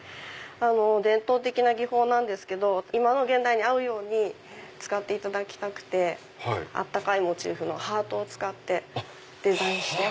伝統的な技法なんですけど現代に合うように使っていただきたくて温かいモチーフのハートを使ってデザインしてます。